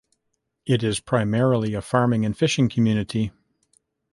It is primarily a farming and fishing community.